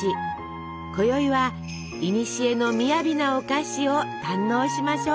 こよいはいにしえのみやびなお菓子を堪能しましょう。